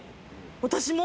私も？